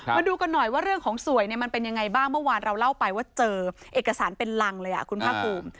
มาดูกันหน่อยว่าเรื่องของสวยเนี่ยมันเป็นยังไงบ้างเมื่อวานเราเล่าไปว่าเจอเอกสารเป็นรังเลยคุณภาคภูมิ